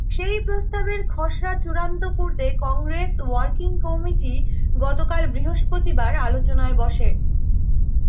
সেই প্রস্তাবের খসড়া চূড়ান্ত করতে কংগ্রেস ওয়ার্কিং কমিটি গতকাল বৃহস্পতিবার আলোচনায় বসে।